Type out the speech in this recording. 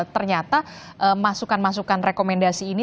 ternyata masukan masukan rekomendasi ini